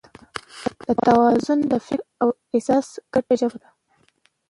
دا توازن د فکر او احساس ګډه ژبه ده.